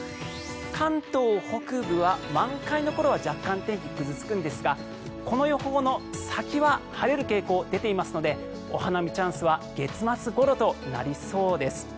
関東北部は満開の頃は若干、天気がぐずつくんですがこの予報の先は晴れる傾向が出ていますのでお花見チャンスは月末ごろとなりそうです。